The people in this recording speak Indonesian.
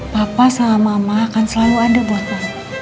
papa sama mama akan selalu ada buatmu